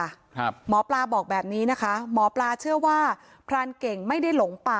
หมอปลาบอกแบบนี้นะคะหมอปลาเชื่อว่าพรานเก่งไม่ได้หลงป่า